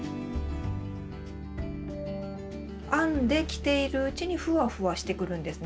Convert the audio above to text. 編んで着ているうちにふわふわしてくるんですね。